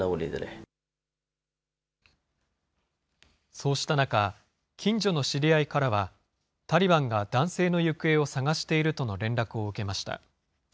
そうした中、近所の知り合いからは、タリバンが男性の行方を探しているとの連絡を受けました。